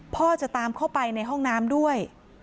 พ่อจะตามเข้าไปในห้องน้ำด้วย